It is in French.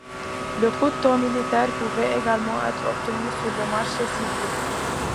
Le couteau militaire pouvait également être obtenu sur le marché civil.